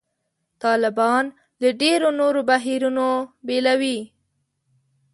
طالبان له ډېرو نورو بهیرونو بېلوي.